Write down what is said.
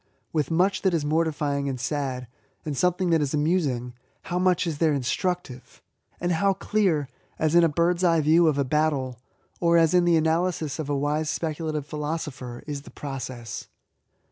With much that is mortifying and sad, and something that is amusing, how much is there instructive ! And how clear, as in a bird's eye view of a battle, or as in the analysis of a wise speculative philosopher, is the process